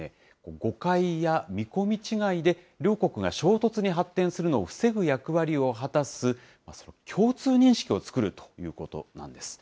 誤解や見込み違いで両国が衝突に発展するのを防ぐ役割を果たす共通認識を作るということなんです。